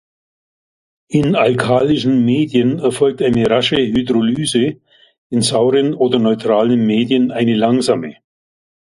In alkalischen Medien erfolgt eine rasche Hydrolyse, in sauren oder neutralen Medien eine langsame.